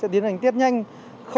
tiến hành tiết nhanh